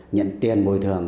nhận tiền bồi thường